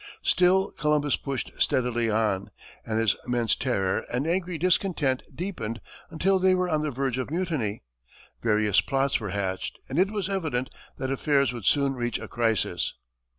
Still Columbus pushed steadily on, and his men's terror and angry discontent deepened until they were on the verge of mutiny; various plots were hatched and it was evident that affairs would soon reach a crisis.